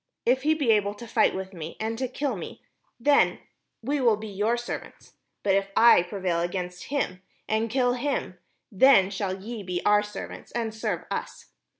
If he be able to fight with me, and to kill me, then will we be your servants: but if I prevail against him, and kill him, then shall ye be our servants, and serve us."